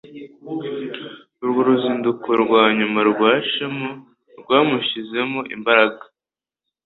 Urwo ruzinduko rwa nyuma rwa chemo rwamushizemo imbaraga.